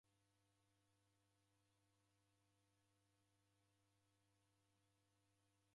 Itanaha oichi w'utoi shuu